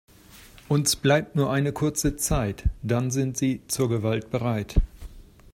Uns bleibt nur eine kurze Zeit, dann sind sie zur Gewalt bereit.